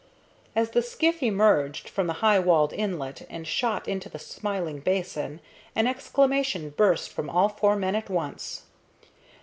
As the skiff emerged from the high walled inlet and shot into the smiling basin, an exclamation burst from all four men at once.